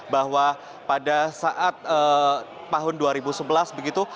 bahwa pada saat tahun dua ribu sebelas begitu